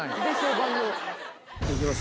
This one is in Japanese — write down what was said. いきます。